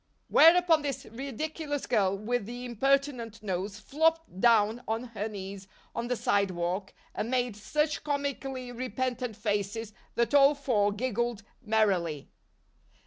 Whereupon this ridiculous girl with the impertinent nose flopped down on her knees on the sidewalk and made such comically repentant faces that all four giggled merrily.